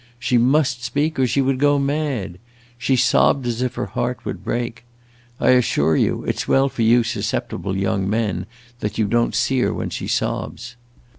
She must speak, or she would go mad. She sobbed as if her heart would break. I assure you it 's well for you susceptible young men that you don't see her when she sobs.